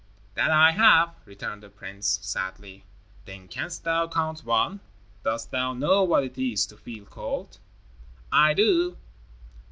"That I have," returned the prince, sadly. "Then canst thou count One. Dost thou know what it is to feel cold?" "I do."